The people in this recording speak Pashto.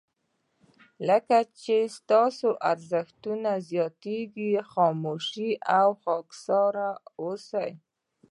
کله چې ستاسو ارزښت زیاتېږي خاموشه او خاکساره اوسه.